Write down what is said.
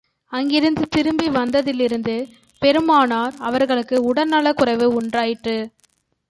அங்கிருந்து திரும்பி வந்ததிலிருந்து, பெருமானார் அவர்களுக்கு உடல்நலக் குறைவு உண்டாயிற்று.